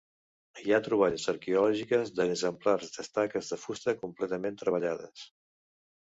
Hi ha troballes arqueològiques d'exemplars d'estaques de fusta completament treballades.